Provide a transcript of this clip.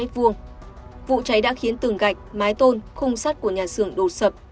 vụ cháy đã khiến tường gạch mái tôn khung sắt của nhà xưởng đổ sập